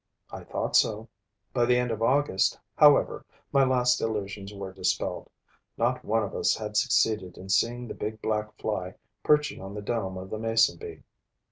I thought so. By the end of August, however, my last illusions were dispelled. Not one of us had succeeded in seeing the big black Fly perching on the dome of the mason bee.